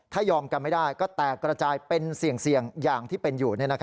ถ้ายอมกันไม่ได้ก็แตกกระจายเป็นเสี่ยงอย่างที่เป็นอยู่